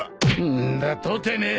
んだとてめえ！